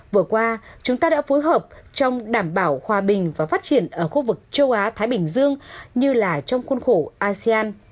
vừa qua chúng ta đã phối hợp trong đảm bảo hòa bình và phát triển ở khu vực châu á thái bình dương như là trong khuôn khổ asean